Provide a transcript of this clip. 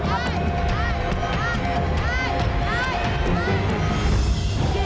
ได้